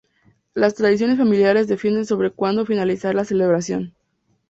Las tradiciones familiares difieren sobre cuándo finalizar la celebración.